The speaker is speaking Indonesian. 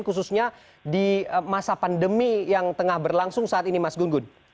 khususnya di masa pandemi yang tengah berlangsung saat ini mas gun gun